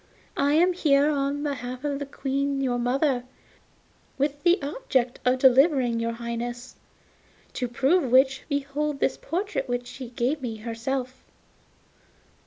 I am here on behalf of the Queen your mother, with the object of delivering your Highness; to prove which, behold this portrait which she gave me herself.